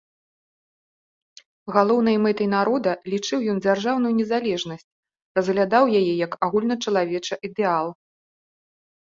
Галоўнай мэтай народа лічыў ён дзяржаўную незалежнасць, разглядаў яе як агульначалавечы ідэал.